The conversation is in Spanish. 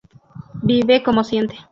Vive como siente.